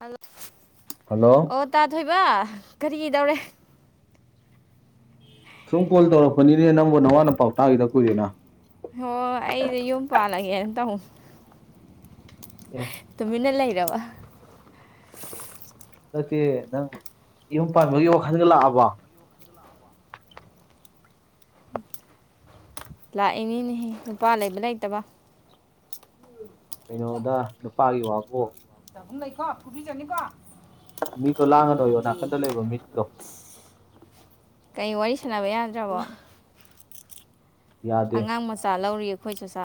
hello hello ꯑꯣ ꯇꯥ ꯊꯣꯏꯕ ꯀꯔꯤꯗꯧꯔꯦ ꯁꯨꯝ ꯀꯣꯜ ꯇꯧꯔꯛꯄꯅꯤꯅꯦ ꯅꯪꯕꯨ ꯅꯋꯥ ꯅꯥꯄꯥꯎ ꯇꯥꯒꯤꯗ ꯀꯨꯏꯔꯦꯅ ꯌꯦ ꯇ ꯍꯨ ꯑꯦ ꯇꯨꯃꯤꯅ ꯂꯩꯔꯕ ꯅꯠꯇꯦ ꯅꯪ ꯌꯨꯝ ꯄꯥꯟꯕꯒꯤ ꯋꯥꯈꯜꯒ ꯂꯥꯛꯑꯕꯣ ꯂꯥꯛꯏꯃꯤꯅꯦꯍ ꯅꯨꯄꯥ ꯂꯩꯕ ꯂꯩꯇꯕ ꯀꯩꯅꯣꯗ ꯅꯨꯄꯥꯒꯤ ꯋꯥꯕꯨ ꯆꯒꯨꯝ ꯂꯩꯀꯣ ꯐꯨꯐꯄꯤꯖꯅꯤꯀꯣ ꯃꯤꯗꯣ ꯂꯥꯡꯉꯥꯅꯣꯌꯣ ꯅꯥꯀꯟꯗ ꯂꯩꯕ ꯃꯤꯁꯤꯡꯗꯣ ꯀꯩ ꯋꯥꯔꯤ ꯁꯥꯟꯅꯕ ꯌꯥꯗ꯭ꯔꯕꯣ ꯌꯥꯗꯦ ꯑꯉꯥꯡ ꯃꯆꯥ ꯂꯧꯔꯤ ꯑꯩꯈꯣꯏ ꯆꯥ ꯆꯥ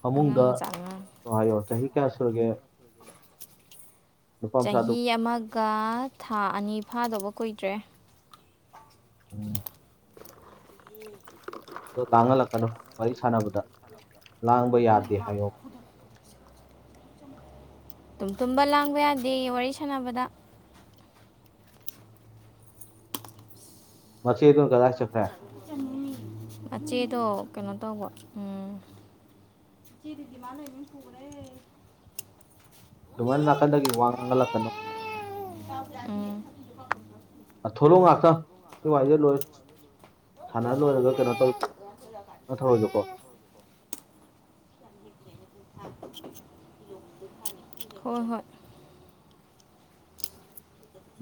ꯐꯃꯨꯡꯗ ꯑꯉꯥꯡ ꯃꯆꯥ ꯑꯉꯥꯡ ꯍꯥꯏꯌꯣ ꯆꯍꯤ ꯀꯌꯥ ꯁꯨꯔꯒꯦ ꯅꯨꯄꯥ ꯃꯆꯥꯗꯨ ꯆꯍꯤ ꯑꯃꯒ ꯊꯥ ꯑꯅꯤ ꯐꯥꯗꯧꯕ ꯀꯨꯏꯗ꯭ꯔꯦ ꯑꯗꯣ ꯂꯥꯡꯍꯜꯂꯛꯀꯅꯣ ꯋꯥꯔꯤ ꯁꯥꯟꯅꯕꯗ ꯂꯥꯡꯕ ꯅꯅꯥꯍꯣꯡ ꯌꯥꯗꯦ ꯅꯄꯥꯗ ꯍꯥꯏꯌꯣ ꯇꯨꯝ ꯇꯨꯝꯕ ꯂꯥꯡꯕ ꯌꯥꯗꯦꯌꯦ ꯋꯥꯔꯤ ꯁꯥꯟꯅꯕꯗ ꯃꯆꯦ ꯗꯨꯅ ꯀꯥꯗꯥꯏ ꯆꯠꯈꯔꯦ ꯃꯆꯦꯗꯣ ꯀꯩꯅꯣ ꯇꯧꯕ ꯎꯝ ꯁꯤꯔꯤꯗꯤꯃ ꯂꯩꯅꯤ ꯄꯨꯔꯦ ꯑꯗꯨꯃꯥꯏꯅ ꯅꯥꯀꯟꯗꯒꯤ ꯋꯥ ꯉꯥꯡꯍꯜꯂꯛꯀꯅꯣ ꯌ ꯑ ꯊꯣꯛꯂꯛꯑꯣ ꯉꯥꯛꯇ ꯁꯤ ꯋꯥꯔꯤꯖꯦ ꯂꯣꯏ ꯁꯥꯟꯅ ꯂꯣꯏꯔꯒ ꯀꯩꯅꯣ ꯇꯧ ꯅꯊꯧꯔꯣꯏꯒꯦꯀꯣ [inaudible] ꯍꯣꯏ ꯍꯣꯏ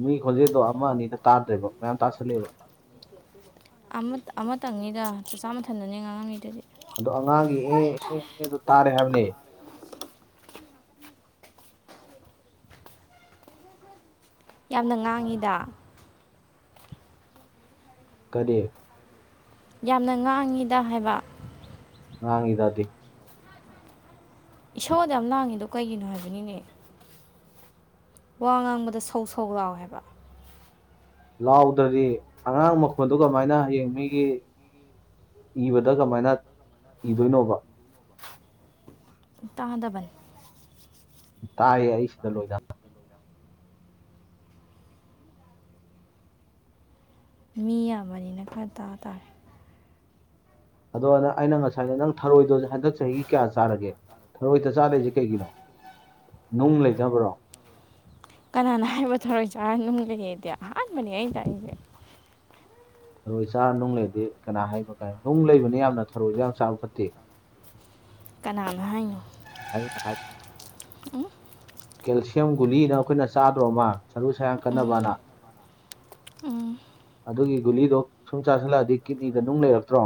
ꯃꯤ ꯈꯣꯟꯖꯦꯜꯗꯣ ꯑꯃ ꯑꯅꯤꯗꯥ ꯇꯥꯗ꯭ꯔꯦꯕ ꯃꯌꯥꯝ ꯇꯥꯁꯜꯂꯦꯕ ꯑꯃꯠ ꯑꯃꯇꯪꯅꯤꯗ ꯆꯥꯆꯥ ꯃꯊꯟꯗꯅꯦ ꯉꯥꯡꯉꯝꯃꯤꯗꯨꯗꯤ ꯑꯗꯣ ꯑꯉꯥꯡꯒꯤ ꯑꯦ ꯑꯦ ꯑꯦ ꯑꯗꯨ ꯇꯥꯔꯦ ꯍꯥꯏꯕꯅꯦ ꯌꯥꯝꯅ ꯉꯥꯡꯉꯤꯗ ꯀꯔꯤ ꯌꯥꯝꯅ ꯉꯥꯡꯉꯤꯗ ꯍꯥꯏꯕ ꯉꯥꯡꯉꯤꯗꯥꯗꯤ ꯏꯁꯧ ꯑꯗꯨꯛꯌꯥꯝ ꯂꯥꯡꯉꯤꯗꯣ ꯀꯩꯒꯤꯅꯣ ꯍꯥꯏꯕꯅꯤꯅꯦ ꯋꯥ ꯉꯥꯡꯕꯗ ꯁꯧ ꯁꯧ ꯂꯎꯋꯦꯕ ꯂꯥꯎꯗ꯭ꯔꯗꯤ ꯑꯉꯥꯡ ꯃꯈꯣꯟꯗꯨ ꯀꯃꯥꯏꯅ ꯌꯦꯌꯦꯡ ꯃꯤꯒꯤ ꯏꯕꯗ ꯀꯃꯥꯏꯅ ꯏꯗꯣꯏꯅꯣꯕ ꯇꯥꯗꯕꯟ ꯇꯥꯏꯌꯦ ꯑꯩ ꯁꯤꯗ ꯂꯣꯏꯗꯅ ꯃꯤ ꯌꯥꯝꯕꯅꯤꯅ ꯈꯔ ꯇꯥ ꯇꯥꯔꯦ ꯑꯗꯣꯪ ꯑꯩꯅ ꯉꯁꯥꯏ ꯅꯪ ꯊꯔꯣꯏꯗꯣ ꯍꯟꯗꯛ ꯆꯍꯤꯒꯤ ꯀꯌꯥ ꯆꯥꯔꯒꯦ ꯊꯔꯣꯏ ꯆꯆꯥꯗꯁꯦ ꯀꯩꯒꯤꯅꯣ ꯅꯨꯡ ꯂꯩꯇꯅꯕ꯭ꯔꯣ ꯀꯅꯥꯅ ꯍꯥꯏꯕ ꯊꯔꯣꯏ ꯆꯥꯔ ꯅꯨꯡ ꯂꯩꯒꯦꯗꯤ ꯑꯍꯥꯟꯕꯅꯦ ꯑꯩ ꯇꯥꯛꯏꯁꯦ ꯊꯔꯣꯏ ꯆꯥꯔ ꯅꯨꯡ ꯂꯩꯗꯤ ꯀꯅꯥ ꯍꯥꯏꯕ ꯀꯥꯏ ꯅꯨꯡ ꯂꯩꯕꯅꯤ ꯌꯥꯝꯅ ꯊꯔꯣꯏꯁꯨ ꯌꯥꯝ ꯆꯥꯕ ꯐꯠꯇꯦ [unintelligible] ꯑꯉꯥꯏꯅ ꯑꯩꯅ ꯀꯦꯜꯁꯤꯌꯝ ꯒꯨꯂꯤꯅ ꯑꯩꯈꯣꯏꯅ ꯆꯥꯗ꯭ꯔꯣꯃ ꯁꯔꯨ ꯁꯔꯥꯡ ꯎꯝ ꯀꯟꯅꯅꯕꯅ ꯎꯝ ꯑꯗꯨꯒꯤ ꯒꯨꯂꯤꯗꯣ ꯁꯨꯝ ꯆꯥꯥꯁꯜꯂꯛꯑꯗꯤ ꯀꯤꯗꯅꯤꯗ ꯅꯨꯡ ꯂꯩꯔꯛꯇ꯭ꯔꯣ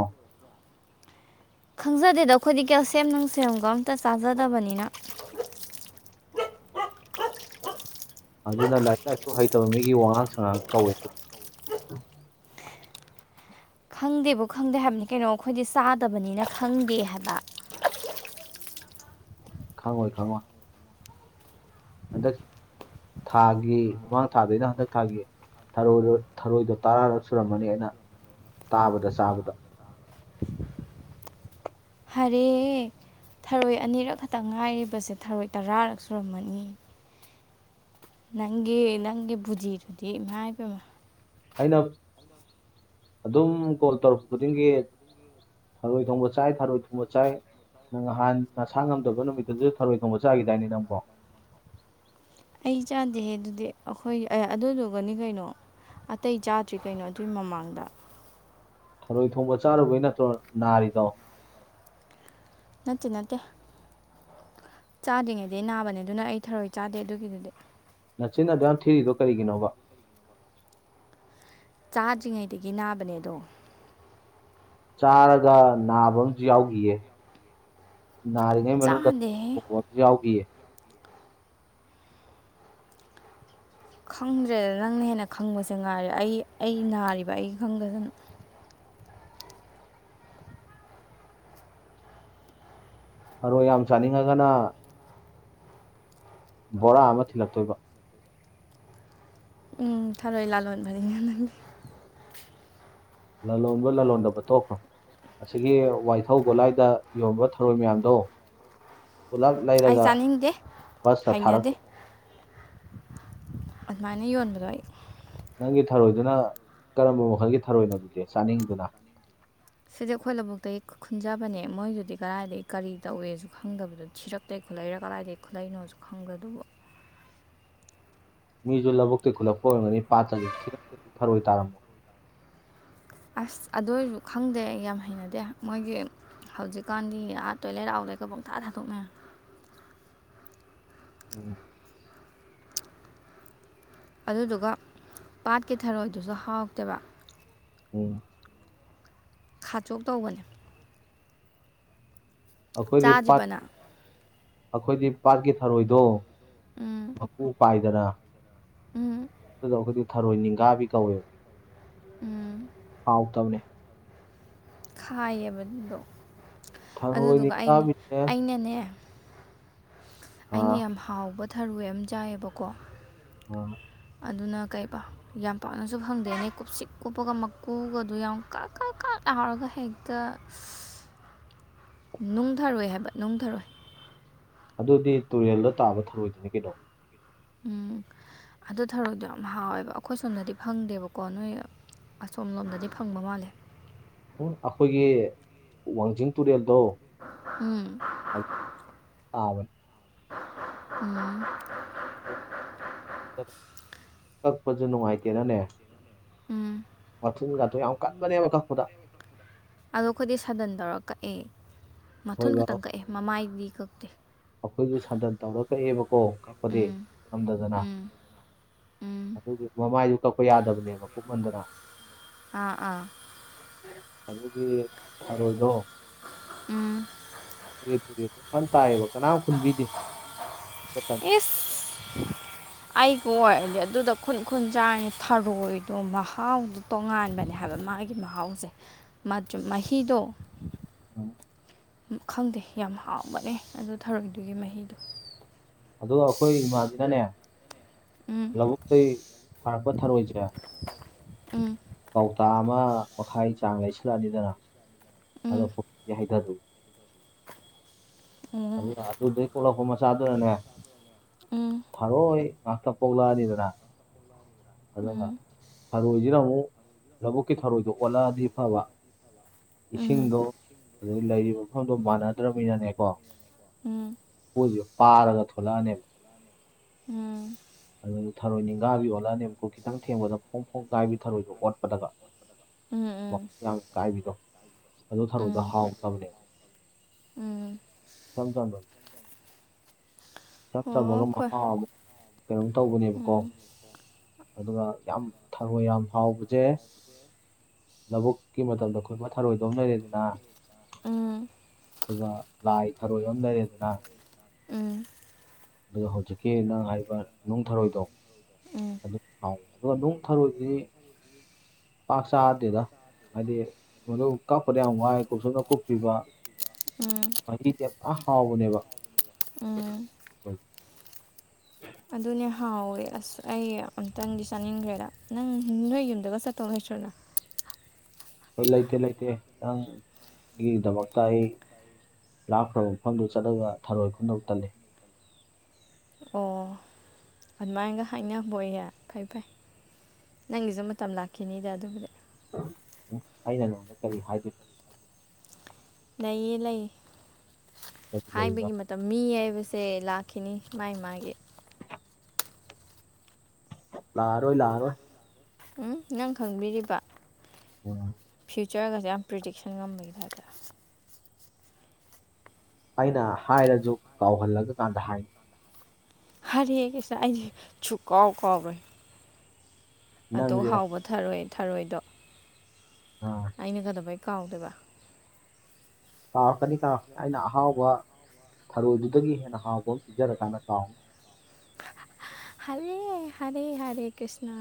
ꯈꯪꯖꯗꯦꯗ ꯑꯩꯈꯣꯏꯗꯤꯀꯌꯥ ꯁꯦꯝ ꯅꯨꯡ ꯁꯦꯝꯒ ꯑꯝꯇ ꯆꯥꯖꯗꯕꯅꯤꯅ ꯑꯗꯨꯅ ꯂꯥꯏꯔꯤꯛ ꯂꯥꯏꯁꯨ ꯍꯩꯇꯕ ꯃꯤꯒꯤ ꯋꯥꯉꯥꯡ ꯁꯉꯥꯡ ꯀꯧꯋꯦ ꯈꯪꯗꯦꯕꯨ ꯈꯪꯗꯦ ꯍꯥꯏꯕꯅꯤ ꯀꯩꯅꯣ ꯑꯩꯈꯣꯏꯗꯤ ꯆꯥꯗꯕꯅꯤꯅ ꯈꯪꯗꯦ ꯍꯥꯏꯕ ꯈꯪꯉꯣꯏ ꯈꯥꯉꯣ ꯍꯟꯗꯛ ꯊꯥꯒꯤ ꯃꯃꯥꯡ ꯊꯥꯗꯩꯅ ꯍꯟꯗꯛ ꯊꯥꯒꯤ ꯊꯔꯣꯏꯗ ꯊꯔꯣꯏꯗꯣ ꯇꯔꯥꯔꯛ ꯁꯨꯔꯝꯃꯅꯤ ꯑꯩꯅ ꯇꯥꯕꯗ ꯆꯥꯕꯗ ꯍꯔꯦ ꯊꯔꯣꯏ ꯑꯅꯤꯔꯛ ꯈꯛꯇꯪ ꯉꯥꯏꯔꯤꯕꯁꯦ ꯊꯔꯣꯏ ꯇꯔꯥꯔꯛ ꯁꯨꯔꯝꯃꯅꯤ ꯅꯪꯒꯤ ꯅꯪꯒꯤ ꯕꯨꯖꯤꯗꯨꯨꯗꯤ ꯏꯃ ꯍꯥꯏꯕꯃ ꯑꯩꯅ ꯑꯗꯨꯝ ꯀꯣꯜ ꯇꯧꯔꯛ ꯈꯨꯗꯤꯡꯒꯤ ꯊꯔꯣꯏ ꯊꯣꯡꯕ ꯆꯥꯏ ꯊꯔꯣꯏ ꯊꯣꯡꯕ ꯆꯥꯏ ꯅꯪ ꯅꯍꯥꯟ ꯅꯁꯥ ꯉꯝꯗꯣꯏꯕ ꯅꯨꯃꯤꯠꯇꯗꯁꯨ ꯊꯔꯣꯏ ꯊꯣꯡꯕ ꯆꯥꯈꯤꯗꯥꯏꯅꯤ ꯅꯪꯕꯣ ꯑꯩ ꯆꯥꯗꯦꯍꯦ ꯑꯗꯨꯗꯤ ꯑꯩꯈꯣꯏ ꯑꯗꯨꯗꯨꯒꯅꯤ ꯀꯩꯅꯣ ꯑꯇꯩ ꯆꯥꯗ꯭ꯔꯤ ꯀꯩꯅꯣ ꯑꯗꯨꯏ ꯃꯃꯥꯡꯗ ꯊꯔꯣꯏ ꯊꯣꯡꯕ ꯆꯥꯔꯨꯕꯩ ꯅꯠꯇ꯭ꯔꯣ ꯅꯥꯔꯤꯗꯣ ꯆꯠꯁꯤ ꯅꯠꯇꯦ ꯆꯥꯗ꯭ꯔꯤꯉꯩꯗ ꯅꯥꯕꯅꯦ ꯑꯗꯨꯅ ꯑꯩ ꯊꯔꯣꯏ ꯆꯥꯗꯦ ꯑꯗꯨꯒꯤꯗꯨꯗꯤ ꯃꯆꯤꯟꯟꯅꯗ ꯌꯥꯝ ꯊꯤꯔꯤꯗꯣ ꯀꯔꯤꯒꯤꯅꯣꯕ ꯆꯥꯗ꯭ꯔꯤꯉꯩꯗꯒꯤ ꯅꯥꯕꯅꯦꯗꯣ ꯆꯥꯔꯒ ꯅꯥꯕ ꯑꯃꯁꯝꯨ ꯌꯥꯎꯈꯤꯌꯦ ꯅꯥꯔꯤꯉꯩ ꯃꯅꯨꯡꯗꯄ ꯆꯥꯗꯦꯍꯦ ꯑꯃꯁꯨ ꯌꯥꯎꯈꯤꯌꯦ ꯈꯪꯗ꯭ꯔꯦꯗ ꯅꯪꯅ ꯍꯦꯟꯅ ꯈꯪꯕꯁꯦ ꯉꯥꯏꯔꯦ ꯑꯩ ꯑꯩ ꯅꯥꯔꯤꯕ ꯑꯩ ꯈꯪꯗꯗꯅ ꯊꯔꯣꯏ ꯌꯥꯝ ꯆꯥꯅꯤꯡꯉꯒꯅ ꯕꯣꯔꯥ ꯑꯃ ꯊꯤꯜꯂꯛꯇꯣꯏꯕ ꯎꯝ ꯊꯔꯣꯏ ꯂꯥꯂꯂꯣꯟꯕꯅꯤ ꯂꯂꯣꯟꯕ ꯂꯂꯣꯟꯗꯕ ꯇꯣꯛꯈ꯭ꯔꯣ ꯑꯁꯤꯒꯤ ꯋꯥꯏꯊꯧ ꯒꯣꯂꯥꯏꯗ ꯌꯣꯟꯕ ꯊꯧꯔꯣꯏ ꯃꯌꯥꯝꯗꯣ ꯄꯨꯂꯞ ꯑꯩ ꯂꯩꯔꯒ ꯆꯥꯅꯤꯡꯗꯦ ꯕꯁꯇ ꯍꯩꯅꯗꯦ ꯊꯥꯔꯛꯄꯅꯤ ꯑꯗꯨꯃꯥꯏꯅ ꯌꯣꯟꯕꯗꯣ ꯑꯩ ꯅꯪꯒꯤ ꯊꯔꯣꯏꯗꯨꯅ ꯀꯔꯝꯕ ꯃꯈꯜꯒꯤ ꯊꯔꯣꯏꯅꯣ ꯑꯗꯨꯗꯤ ꯆꯥꯅꯤꯡꯉꯤꯗꯨꯅ ꯁꯤꯁꯦ ꯑꯩꯈꯣꯏ ꯂꯧꯕꯨꯛꯇꯒꯤ ꯈꯨꯟꯖꯕꯅꯦ ꯃꯣꯏꯗꯨꯗꯤ ꯀꯗꯥꯏꯗꯒꯤ ꯀꯔꯤ ꯇꯧꯏꯦꯁꯨ ꯈꯪꯗꯕꯗꯨ ꯊꯤꯔꯛꯇꯦꯣ ꯈꯨꯠꯂꯩꯔꯒꯗꯥꯏꯗꯗꯒꯤ ꯈꯨꯠꯂꯩꯩꯅꯣꯁꯨ ꯈꯪꯗ꯭ꯔꯦ ꯑꯗꯨꯕꯨ [unintelligible] ꯃꯤꯁꯨ ꯂꯧꯕꯨꯛꯇꯤ ꯈꯨꯜꯂꯛꯄ ꯑꯣꯏꯔꯝꯒꯅꯤ ꯄꯥꯠꯇꯒꯤ ꯊꯤꯛꯇ ꯐꯔꯣꯏ ꯇꯥꯔꯝꯃꯣ ꯑꯁ ꯑꯗꯨ ꯑꯣꯏꯔꯁꯨ ꯈꯪꯗꯦ ꯌꯥꯝ ꯍꯩꯅꯗꯦ ꯃꯣꯏꯒꯤ ꯍꯧꯖꯤꯛꯀꯥꯟꯗꯤ ꯑꯥ ꯇꯣꯏꯂꯦꯠ ꯂꯥꯎꯗꯩꯒ ꯄꯪꯊꯥ ꯊꯥꯗꯣꯛꯅ [inaudible] ꯎꯝ ꯑꯗꯨꯗꯨꯒ ꯄꯥꯠꯀꯤ ꯊꯔꯣꯏꯗꯨꯁꯨ ꯍꯥꯎꯇꯦꯕ ꯑꯣ ꯈꯥꯆꯣꯛ ꯇꯧꯕꯅꯦ ꯑꯩꯈꯣꯏꯗꯤ ꯄꯥꯠ ꯆꯥꯖꯕꯅ ꯑꯩꯈꯣꯏꯗꯤ ꯄꯥꯠꯀꯤ ꯊꯔꯣꯏꯗꯣ ꯎꯝ ꯃꯄꯨ ꯄꯥꯏꯗꯅ ꯎꯝ ꯑꯗꯨꯗ ꯑꯩꯈꯣꯏꯗꯤ ꯊꯔꯣꯏ ꯅꯤꯡꯒꯥꯕꯤ ꯎꯝ ꯀꯧꯋꯦꯕ ꯍꯥꯎꯇꯕꯅꯦ ꯈꯥꯏꯌꯦꯕꯗꯣ ꯊꯔꯣꯏ ꯑꯗꯨꯗꯨꯒ ꯑꯩ ꯅꯤꯡꯒꯥꯕꯤꯁꯦ ꯑꯩꯅꯅꯦ ꯑꯩꯅ ꯑꯥ ꯌꯥꯝ ꯍꯥꯎꯕ ꯊꯔꯨꯏ ꯑꯃ ꯆꯥꯏꯑꯕꯀꯣ ꯑꯣ ꯑꯗꯨꯅ ꯀꯩꯕ ꯌꯥꯝ ꯄꯥꯛꯅꯁꯨ ꯐꯪꯗꯦꯅꯦ ꯀꯨꯞꯁꯤꯛ ꯀꯨꯞꯄꯒ ꯃꯀꯨꯒꯗꯨ ꯌꯥꯝ ꯀꯛ ꯀꯛ ꯀꯛ ꯑꯔꯒ ꯍꯛꯇ [inaudible] ꯅꯨꯡꯊꯔꯣꯏ ꯍꯥꯏꯕ ꯅꯨꯡꯊꯔꯣꯏ ꯑꯗꯨꯗꯤ ꯇꯨꯔꯦꯜꯗ ꯇꯥꯕ ꯊꯧꯔꯣꯏꯗꯣꯏꯅꯤ ꯀꯩꯅꯣ ꯎꯝ ꯑꯗꯨ ꯊꯔꯣꯗꯣ ꯌꯥꯝ ꯍꯥꯎꯋꯦꯕ ꯑꯩꯈꯣꯏ ꯁꯣꯝꯗꯗꯤ ꯐꯪꯗꯦꯕꯀꯣ ꯅꯣꯏ ꯑꯁꯣꯝ ꯂꯣꯝꯗꯗꯤ ꯐꯪꯕ ꯃꯥꯜꯂꯦ ꯎꯝ ꯑꯩꯈꯣꯏꯒꯤ ꯋꯥꯡꯖꯤꯡ ꯇꯨꯔꯦꯜ ꯂꯣ ꯎꯝ ꯇꯅꯤ ꯎꯝ ꯀꯛꯄꯁꯨ ꯅꯨꯡꯉꯥꯏꯇꯦꯅꯅꯦ ꯎꯝ ꯌꯥꯝ ꯀꯟꯕꯅꯦꯕ ꯀꯛꯄꯗ ꯑꯗꯣ ꯑꯩꯈꯣꯏꯗꯤ ꯁꯥꯗꯟ ꯇꯧꯔ ꯀꯛꯑꯦ ꯃꯊꯟ ꯑꯩꯈꯣꯏꯕ ꯈꯛꯇꯪ ꯀꯛꯑꯦ ꯃꯃꯥꯏꯗꯤ ꯀꯛꯇꯦ ꯑꯩꯈꯣꯏꯁꯨ ꯁꯟꯗꯟ ꯇꯧꯔ ꯀꯛꯑꯦꯕꯀꯣ ꯀꯛꯄꯗꯤ ꯎꯝ ꯉꯝꯗꯗꯅ ꯎꯝ ꯎꯝ ꯑꯗꯨꯒꯤ ꯃꯃꯥꯏꯗꯨ ꯀꯛꯄ ꯌꯥꯗꯕꯅꯦꯕ ꯀꯨꯞꯃꯟꯗꯅ ꯑꯥ ꯑꯥ ꯑꯗꯨꯗꯤ ꯎꯝ ꯊꯔꯣꯏꯅꯣꯦ ꯇꯨꯔꯦ ꯐꯅ ꯇꯥꯏꯌꯦꯕ ꯀꯅꯥ ꯄꯨꯟꯕꯤꯗꯦ ꯏꯁ ꯑꯩꯕꯨ ꯑꯣꯏꯔꯗꯤ ꯑꯗꯨꯗ ꯈꯨꯟ ꯈꯨꯟ ꯆꯥꯡꯉ ꯊꯔꯣꯏꯗꯣ ꯃꯍꯥꯎꯗꯨꯣ ꯇꯣꯉꯥꯟꯕꯅꯦ ꯍꯥꯏꯕ ꯃꯥꯒꯤ ꯃꯍꯥꯎꯁꯦ ꯃꯍꯤꯗꯣ ꯈꯪꯗꯦ ꯌꯥꯝ ꯍꯥꯎꯕꯅꯦ ꯑꯗꯨ ꯊꯔꯣꯏꯗꯨꯒꯤ ꯃꯍꯤꯗꯣ ꯑꯗꯣ ꯑꯩꯈꯣꯏ ꯏꯃꯥꯖꯤꯅꯅꯦ ꯎꯝ ꯂꯧꯕꯒ ꯀꯩ ꯐꯥꯔꯄ ꯊꯔ ꯋꯥꯏ ꯆ ꯎꯝ ꯀꯧꯇꯥ ꯑꯃ ꯃꯈꯥꯏ ꯆꯥꯡ ꯂꯩꯁꯤꯜꯂꯛꯑꯅꯤꯗꯅ ꯎꯝ ꯑꯗꯣ ꯍꯥꯏꯊꯔ ꯎꯝ ꯑꯜꯂ ꯑꯗꯨ ꯑꯗꯨꯗꯤꯩ ꯀꯣꯂꯄ ꯃꯆꯥꯗꯨꯅꯅꯦ ꯎꯝ ꯊꯥꯔꯑꯣ ꯉꯇ ꯄꯣꯛꯂꯅꯤꯗꯅ ꯑꯗꯨꯒ ꯎꯝ ꯊꯔꯣꯏꯁꯤꯅ ꯑꯃꯨꯛ ꯂꯧꯕꯨꯛꯀꯤ ꯊꯔꯣꯏꯗꯣ ꯑꯣꯜꯂꯛꯑꯗꯤ ꯐꯕ ꯎꯝ ꯏꯁꯤꯡꯗꯣ ꯑꯗꯨꯗꯒꯤ ꯂꯩꯔꯤꯕ ꯃꯐꯝꯗꯣ ꯃꯥꯟꯅꯗ꯭ꯔꯅꯤꯅꯅꯦꯀꯣ ꯎꯝ ꯄꯥꯔꯒ ꯊꯂꯛꯑꯅꯦꯕ ꯎꯝ ꯑꯗꯨ ꯊꯔꯣꯏ ꯅꯤꯡꯒꯥꯕꯤꯌꯣꯂꯥꯅꯦꯦꯝꯨꯀꯨ ꯈꯤꯇꯪ ꯊꯦꯡꯕꯗ ꯐꯣꯡ ꯐꯣꯡ ꯀꯥꯏꯕꯤ ꯊꯔꯣꯏꯗꯣ ꯑꯣꯠꯄꯗꯒ ꯎꯝ ꯌꯥꯝ ꯀꯥꯏꯕꯤꯗꯣ ꯑꯗꯨ ꯊꯔꯗ ꯎꯝ ꯍꯥꯎꯛꯇꯕꯅꯦ ꯎꯝ ꯊ ꯊꯝꯕ ꯆꯞ ꯑꯣ ꯆꯥꯕꯒ ꯑꯩꯈꯣꯏ ꯃꯍꯥꯎꯕ ꯀꯩꯅꯣꯝ ꯇꯧꯕꯅꯦꯕꯀꯣ ꯎꯝ ꯑꯗꯨꯒ ꯌꯥꯝ ꯊꯔꯣꯏ ꯌꯥꯝ ꯍꯥꯎꯕꯁꯦ ꯂꯧꯕꯨꯛꯀꯤ ꯃꯇꯝꯗ ꯈꯨꯟꯃ ꯊꯥꯔꯣꯏꯗꯣ ꯑꯃ ꯂꯩꯔꯦꯗꯅ ꯎꯝ ꯑꯗꯨꯒ ꯂꯥꯏ ꯊꯔꯣꯏ ꯑꯃ ꯂꯩꯔꯦꯗꯅ ꯎꯝ ꯑꯗꯨꯒ ꯍꯧꯖꯤꯛꯀꯤ ꯅꯪ ꯍꯥꯏꯔꯤꯕ ꯅꯨꯡ ꯊꯥꯔꯣꯏꯗꯣ ꯎꯝ ꯑꯗꯨꯝꯥꯎ ꯑꯗꯣ ꯅꯨꯡ ꯊꯔꯣꯏꯁꯤ ꯄꯥꯛ ꯆꯥꯗꯦꯗ ꯍꯥꯏꯗꯤ ꯃꯗꯨ ꯀꯛꯄꯗ ꯌꯥꯝ ꯋꯥꯏ ꯀꯁꯨꯝꯅ ꯀꯨꯞꯄꯤꯕ ꯎꯝ ꯑ ꯍꯥꯎꯕꯨꯅꯦꯕ ꯎꯝ ꯑꯗꯨꯅꯦ ꯍꯥꯎꯋꯦ ꯑꯁ ꯑꯩ ꯑꯨꯇꯪꯗꯤ ꯆꯥꯅꯤꯡꯈ꯭ꯔꯦꯗ ꯅꯪ ꯅꯣꯏ ꯌꯨꯝꯗꯒ ꯆꯠꯇꯣꯛ ꯁꯅ ꯍꯣꯏ ꯂꯩꯇꯦ ꯂꯩꯇꯦ ꯅꯪ ꯒꯤꯗꯃꯛꯇ ꯑꯩ ꯂꯥꯛꯈ꯭ꯔꯕ ꯃꯐꯝꯗꯨ ꯆꯠꯂꯗ ꯊꯔꯣꯏ ꯈꯨꯟꯗꯧ ꯇꯜꯂꯤ ꯑꯣ ꯑꯗꯨꯃꯥꯏꯅꯒ ꯍꯥꯏꯅꯕꯍ ꯐꯩ ꯐꯩ ꯅꯪꯒꯤꯁꯨ ꯃꯇꯝ ꯂꯥꯛꯈꯤꯅꯤꯗ ꯑꯗꯨꯕꯨꯗꯤ ꯎ ꯑꯩꯅ ꯅꯉꯣꯟꯗ ꯀꯔꯤ ꯍꯥꯏꯗꯣꯏꯅꯣ ꯂꯩꯌꯦ ꯂꯩ ꯀꯔꯤ ꯂꯩꯔꯤꯅꯣ ꯍꯥꯏꯕꯒꯤ ꯃꯇꯝ ꯃꯤ ꯍꯥꯏꯕ ꯁꯦ ꯂꯥꯛꯈꯤꯅꯤ ꯃꯥꯥꯏ ꯃꯥꯒꯤ ꯂꯥꯔꯣ ꯂꯥꯔꯣ ꯎꯝ ꯅꯪ ꯈꯪꯕꯤꯔꯤꯕ ꯑꯣ ꯐ꯭ꯌꯨꯆꯔꯒꯁꯦ ꯌꯥꯝ ꯄ꯭ꯔꯤꯗꯤꯛꯁꯟ ꯉꯝꯕꯒꯤ ꯍꯥꯏꯔ ꯑꯩꯅ ꯍꯥꯏꯔꯁꯨ ꯀꯥꯎꯍꯜꯂꯒ ꯀꯥꯟꯗ ꯍꯥꯏꯅꯤ ꯍꯥꯔ ꯀꯁ ꯑ ꯆꯨꯀꯥꯎ ꯀꯥꯎꯕ ꯑꯗꯨ ꯅꯪꯁꯦ ꯍꯥꯎꯕ ꯊꯔꯣꯏ ꯊꯔꯣꯏꯗꯣ ꯑꯥ ꯑꯩꯅ ꯀꯗꯕꯩ ꯀꯥꯎꯗꯦꯕ ꯀꯥꯎꯔꯛꯀꯅꯤ ꯀꯥꯔꯛꯀꯅꯤ ꯑꯩꯅ ꯑꯍꯥꯎꯕ ꯊꯔꯣꯏꯗꯨꯗꯒꯤ ꯍꯦꯟꯅ ꯍꯥꯎꯕ ꯑꯃ ꯄꯤꯖꯔꯀꯥꯟꯗ ꯀꯥꯎꯅꯤ ꯍꯔꯦ ꯍꯔꯦ ꯍꯔꯦ ꯀ꯭ꯁꯅ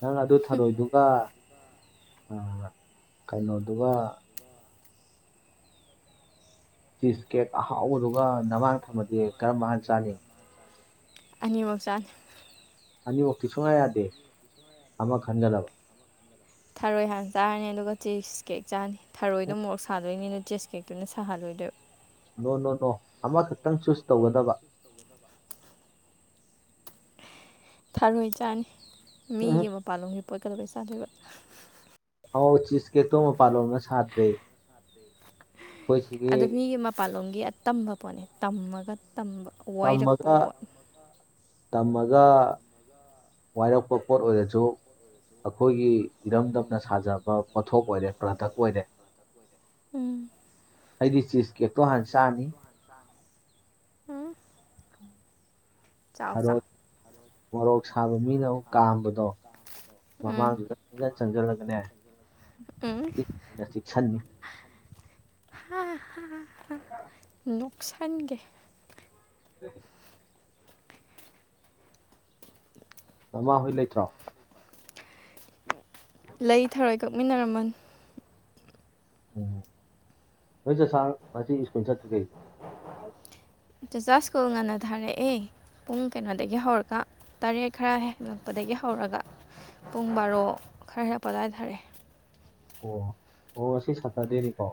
ꯅꯪ ꯑꯗꯨ ꯊꯔꯣꯏꯗꯨꯒ ꯀꯩꯅꯣꯗꯨꯒ ꯆꯤꯁ ꯀꯦꯛ ꯑꯍꯥꯎꯕꯗꯨꯒ ꯅꯃꯥꯡ ꯊꯝꯃꯗꯤ ꯀꯔ ꯃꯥꯟ ꯆꯥꯅꯤ ꯑꯅꯤꯃꯛꯆꯥ ꯑꯅꯤꯃꯨꯛꯇꯤ ꯁꯨꯡꯌꯥ ꯌꯥꯗꯦ ꯑꯃ ꯈꯟꯒꯗꯕ ꯊꯔꯣꯏ ꯍꯥꯟꯅ ꯆꯥꯔꯅꯤ ꯑꯗꯨꯒ ꯆꯤꯁ ꯀꯦꯛ ꯆꯥꯔꯅꯤ ꯊꯔꯣꯏꯗꯣ ꯃꯣꯔꯣꯛ ꯁꯥꯗꯣꯏꯅꯤ ꯑꯗꯨ ꯆꯦꯁ ꯀꯦꯛꯇꯨꯅ ꯁꯥꯍꯜꯂꯣꯏꯗꯣꯏꯕ ꯅꯣ ꯅꯣ ꯅꯣ ꯑꯃꯈꯛꯇꯪ ꯆꯨꯁ ꯇꯧꯒꯗꯕ ꯊꯥꯔꯣꯏ ꯆꯥꯅꯤ ꯎꯝ ꯃꯤꯒꯤ ꯃꯄꯥꯟꯂꯣꯝꯒꯤ ꯄꯣꯠꯀꯗꯧꯕꯩ ꯆꯥꯗꯕ ꯑꯧ ꯆꯤꯁ ꯀꯦꯛꯇꯣ ꯃꯄꯥꯥꯟꯂꯣꯝꯅ ꯁꯥꯇ꯭ꯔꯦ ꯑꯩꯈꯣꯏ ꯁꯤꯒꯤ ꯑꯗꯨ ꯃꯤꯒꯤ ꯃꯄꯥꯟꯂꯣꯝꯒꯤ ꯑ ꯇꯝꯕ ꯄꯣꯠꯅꯦ ꯇꯝꯃꯒ ꯇꯝꯕ ꯋꯥꯏꯔꯛꯄ ꯄꯣꯠ ꯄꯨꯖꯥ ꯋꯥꯏꯔꯛꯄ ꯄꯣꯠ ꯑꯣꯏꯔꯁꯨ ꯑꯩꯈꯣꯏꯒꯤ ꯏꯔꯝꯗꯝꯅ ꯁꯥꯖꯕ ꯄꯣꯊꯣꯛ ꯑꯣꯏꯔꯦ ꯄ꯭ꯔꯗꯛ ꯑꯣꯏꯔꯦ ꯎꯝ ꯑꯩꯗꯤ ꯆꯤꯁ ꯀꯦꯛꯇꯣ ꯍꯥꯟꯅ ꯆꯥꯅꯤ ꯆꯥꯎꯥꯎꯆꯥ ꯋꯥꯣꯔꯣꯛ ꯁꯥꯕ ꯃꯤꯅ ꯑꯃꯨꯛ ꯀꯥꯝꯕꯗꯣ ꯎꯝ ꯃꯃꯥꯡꯗꯨꯗ ꯆꯪꯁꯤꯜꯂꯒꯅꯦ ꯁꯤꯁꯟꯅꯤ ꯍꯥꯥ ꯍꯥꯥ ꯂꯣꯛꯁꯥꯟꯒꯤ ꯎ [unintelligible] ꯃꯃꯥ ꯍꯣꯏ ꯂꯩꯇ꯭ꯔꯣ ꯂꯩ ꯊꯔꯣꯏ ꯀꯛꯃꯤꯟꯅꯔꯝꯃꯅꯦ ꯎꯝ ꯍꯣꯏ ꯆ ꯁꯥ ꯃꯥ ꯏꯀꯨꯟ ꯆꯠꯇꯔꯤ ꯀꯩ ꯆꯆꯥ ꯁ꯭ꯀꯨꯜ ꯉꯟꯅ ꯊꯥꯔꯛꯑꯦ ꯄꯨꯡ ꯀꯩꯅꯣꯗꯒꯤ ꯍꯧꯔꯒ ꯇꯔꯦꯠ ꯈꯔ ꯍꯦꯟꯂꯛꯄꯗꯒꯤ ꯒꯤ ꯍꯧꯔꯒ ꯄꯨꯡ ꯕꯥꯔꯣ ꯈꯔ ꯍꯦꯟꯅ ꯄꯂꯥꯏꯊꯔꯛꯑꯦ ꯑꯣ ꯑꯣ ꯁꯤ ꯁꯇꯔꯗꯦꯅꯤꯀꯣ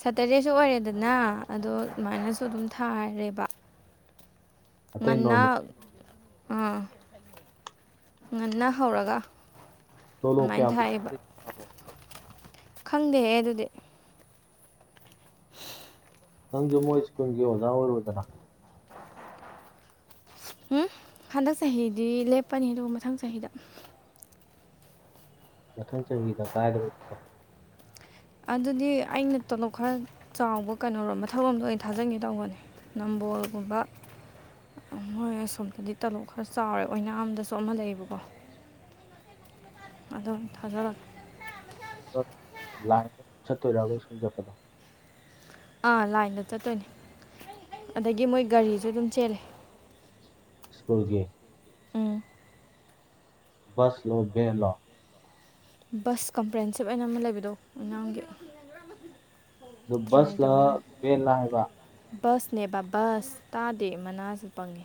ꯁꯇꯔꯗꯦꯁꯨ ꯑꯣꯏꯔꯦꯗꯅ ꯑꯗꯣ ꯑꯗꯨꯃꯥꯏꯅꯁꯨ ꯑꯗꯨꯝ ꯊꯥꯔꯦꯕ ꯑꯇꯩ ꯉꯟꯅ ꯅꯣꯔꯃꯦꯜ ꯑꯥ ꯉꯟꯅ ꯍꯧꯔꯒ ꯆꯣꯂꯣ ꯀꯦ ꯑꯗꯨꯃꯥꯏꯅ ꯊꯥꯏꯌꯦꯕ [inaudible] ꯈꯪꯗꯦꯍꯦ ꯑꯗꯨꯗꯤ ꯁꯪꯖ ꯃꯣꯏ ꯁꯀꯣꯟꯒꯤ ꯑꯣꯖꯥ ꯑꯣꯏꯔꯣꯗꯅ ꯎꯝ ꯍꯟꯗꯛ ꯆꯍꯤꯗꯤ ꯂꯦꯞꯄꯅꯤ ꯑꯗꯨꯒ ꯃꯊꯪ ꯆꯍꯤꯗ ꯃꯊꯪ ꯆꯍꯤꯗ ꯀꯥꯏꯗ ꯑꯗꯨꯗꯤ ꯑꯩꯅ ꯇꯣꯂꯣꯞ ꯈꯔ ꯆꯥꯎꯕ ꯀꯩꯅꯔꯣꯝꯕ ꯊꯕꯛ ꯑꯝꯗꯣ ꯑꯣꯏꯅ ꯊꯥꯖꯟꯒꯦ ꯇꯧꯕꯅꯦ ꯕꯣꯜꯒꯨꯝꯕ ꯍꯣꯏ ꯑꯁꯣꯝꯗꯗꯤ ꯇꯂꯣꯞ ꯈꯔ ꯆꯥꯎꯔꯦ ꯑꯣꯏꯅꯥꯝ ꯗꯁꯨ ꯑꯃ ꯂꯩꯌꯦꯕꯀꯣ ꯑꯗꯨꯝ ꯊꯥꯖꯔ ꯂꯥꯏ ꯇꯣꯏꯔꯕ ꯁꯨꯟ ꯆꯠꯄꯗꯣ ꯑꯥ ꯂꯥꯏꯟꯗ ꯆꯠꯇꯣꯏꯅꯤ ꯑꯗꯒꯤ ꯃꯣꯏ ꯒꯥꯔꯤꯁꯨ ꯑꯗꯨꯝ ꯆꯦꯜꯂꯦ ꯁ꯭ꯀꯨꯜꯒꯤ ꯎꯝ ꯕꯁ ꯂꯣ ꯕꯦꯟ ꯂꯣ ꯕꯁ ꯀꯝꯄ꯭ꯔꯦꯟꯁꯤꯞ ꯍꯥꯏꯅ ꯑꯃ ꯂꯩꯕꯗꯣ ꯑꯣꯏꯅꯥꯝꯒꯤ ꯑꯗꯨ ꯇ꯭ꯔꯥꯏ ꯕꯁꯂ ꯇꯧꯒꯦ ꯇꯧꯅꯤ ꯕꯦꯜꯂ ꯍꯥꯏꯕ ꯕꯁꯅꯦꯕ ꯕꯁ ꯇꯥꯗꯦ ꯃꯅꯥꯁꯨ ꯄꯪꯉꯦ